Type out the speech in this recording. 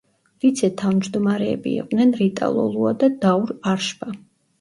ვიცე-თავმჯდომარეები იყვნენ რიტა ლოლუა და დაურ არშბა.